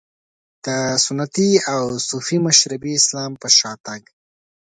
د سنتي او صوفي مشربي اسلام په شا تګ.